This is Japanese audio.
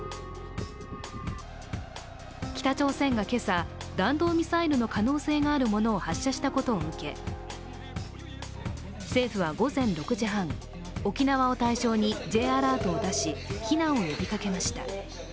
北朝鮮が今朝、弾道ミサイルの可能性があるものを発射したことを受け、政府は午前６時半、沖縄を対象にＪアラートを出し避難を呼びかけました。